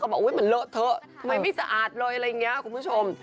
บอกอุ๊ยมันเลอะเถอะทำไมไม่สะอาดเลยอะไรอย่างนี้คุณผู้ชม